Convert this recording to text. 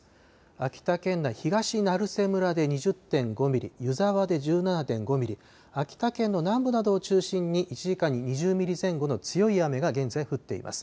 秋田県内、東成瀬村で２０．５ミリ、湯沢で１７．５ミリ、秋田県の南部などを中心に１時間に２０ミリ前後の強い雨が現在降っています。